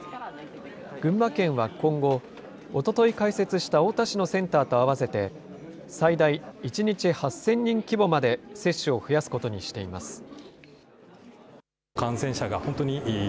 群馬県は今後、おととい開設した太田市のセンターと合わせて最大１日８０００人規模まで接種を増やすことにしています。